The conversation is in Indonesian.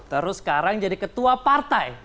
terus sekarang jadi ketua partai